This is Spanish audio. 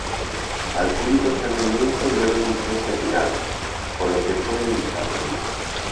Al público estadounidense no le gustó este final, por lo que fue editado.